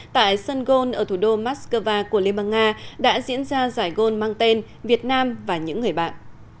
tại sun gold ở thủ đô moscow của lemang nga đã diễn ra giải gold mang tên việt nam và những người bạn